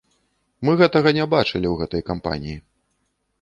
Мы гэтага не бачылі ў гэтай кампаніі.